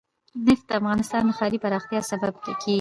نفت د افغانستان د ښاري پراختیا سبب کېږي.